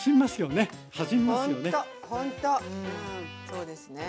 そうですね。